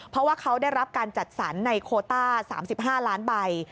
เพราะว่าเขาได้รับการจัดสรรในโคต้า๓๕ล้านใบ